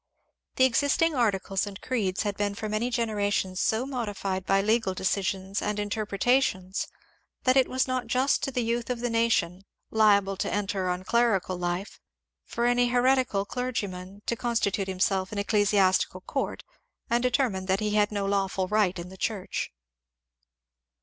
The existing articles and creeds had been for many generations so modified by legal decisions and interpretations that it was not just to the youth of the nation, liable to enter on clerical life, for any heretical clergyman to constitute himself an ecclesiastical court, and determine that he had no lawful right in the church.